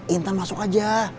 intan masuk aja